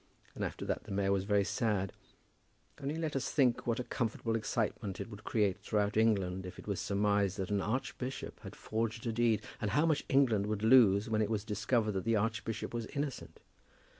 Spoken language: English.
And after that the mayor was quite sad. Only let us think what a comfortable excitement it would create throughout England if it was surmised that an archbishop had forged a deed; and how much England would lose when it was discovered that the archbishop was innocent!